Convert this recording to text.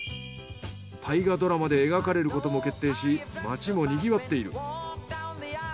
大河ドラマで描かれることも決定し町もにぎわっている。